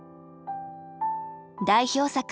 代表作